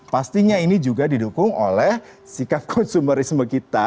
pastinya ini juga didukung oleh sikap konsumerisme kita